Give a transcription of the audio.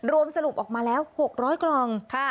สรุปออกมาแล้ว๖๐๐กล่อง